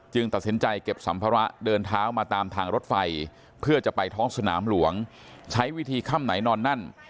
ตัดสินใจเก็บสัมภาระเดินเท้ามาตามทางรถไฟเพื่อจะไปท้องสนามหลวงใช้วิธีค่ำไหนนอนนั่น